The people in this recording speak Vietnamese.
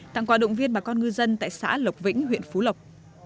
tặng quà động viên bà con ngư dân tại xã lộc vĩnh huyện phú lộc